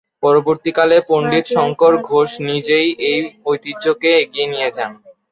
পরবর্তীকালে, পণ্ডিত শঙ্কর ঘোষ নিজেই এই ঐতিহ্যকে এগিয়ে নিয়ে যান।